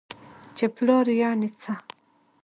چې پلار يعنې څه؟؟!